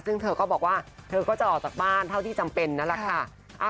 ซึ่งเธอก็บอกว่าเธอก็จะออกจากบ้านเท่าที่จำเป็นนั่นแหละค่ะ